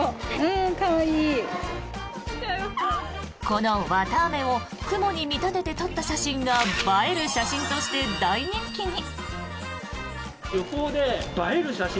この綿あめを雲に見立てて撮った写真が映える写真として大人気に。